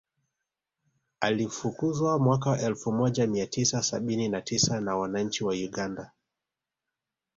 Alifukuzwa mwaka elfu moja mia tisa sabini na tisa na wananchi wa Uganda